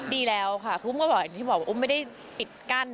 ดีแล้วค่ะอุ้มก็บอกอย่างที่บอกว่าอุ้มไม่ได้ปิดกั้น